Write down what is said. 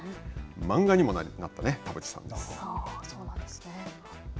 漫画にもなった田淵さんです。